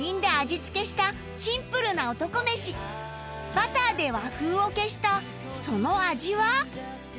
バターで和風を消したその味は